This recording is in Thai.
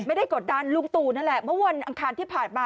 กดดันลุงตู่นั่นแหละเมื่อวันอังคารที่ผ่านมา